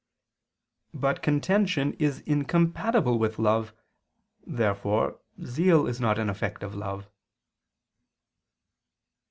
But contention is incompatible with love. Therefore zeal is not an effect of love.